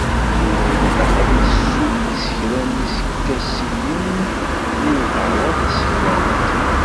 Tura ilaq ad d-nessuddes kra n yiskasiyen deg lqahwa taseklant.